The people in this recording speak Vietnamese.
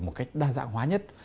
một cách đa dạng hóa nhất